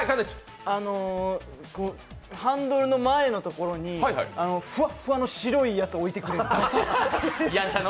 ハンドルの前のところにふわっふわの白いやつ置いてくれる。